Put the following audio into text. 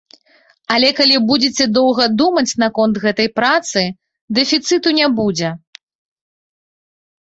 Але калі будзеце доўга думаць наконт гэтай працы, дэфіцыту не будзе.